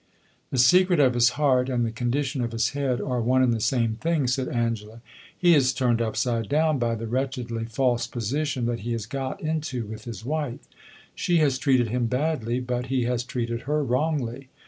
"The secret of his heart and the condition of his head are one and the same thing," said Angela. "He is turned upside down by the wretchedly false position that he has got into with his wife. She has treated him badly, but he has treated her wrongly.